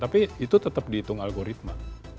tapi itu tetap dihitung algoritma